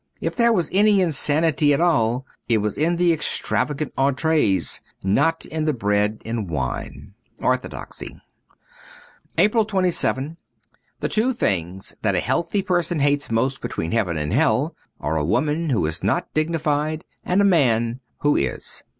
If there was any insanity at all, it was in the extravagant entrees, not in the bread and wine. ''Orthodoxy.' 126 APRIL 27th THE two things that a healthy person hates most between heaven and hell are a woman who is not dignified and a man who is.